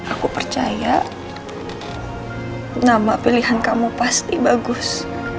aku percaya nama pilihan kamu pasti bagus